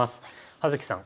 葉月さん